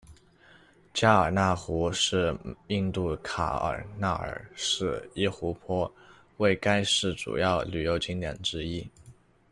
迦尔纳湖是印度卡尔纳尔市一湖泊，为该市主要旅游景点之一。